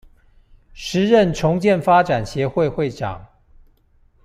時任重建發展協會會長